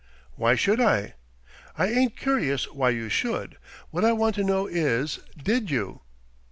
"Why should I?" "I ain't curious why you should. What I want to know is, did you?"